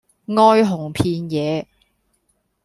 哀鴻遍野